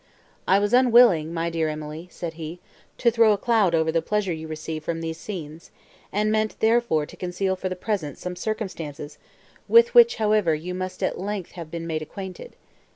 "I was unwilling, my dear Emily," said he, "to throw a cloud over the pleasure you receive from these scenes, and meant, therefore, to conceal, for the present, some circumstances, with which, however, you must at length have been made acquainted.